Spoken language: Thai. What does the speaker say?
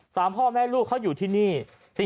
พ่อแม่ลูกเขาอยู่ที่นี่